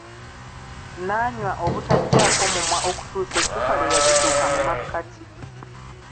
N'anywa obutaggyaako mumwa okutuusa eccupa lwe yagituuka mu makkati.